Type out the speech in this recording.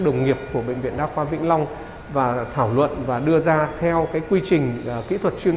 đồng nghiệp của bệnh viện đa khoa vĩnh long và thảo luận và đưa ra theo cái quy trình kỹ thuật chuyên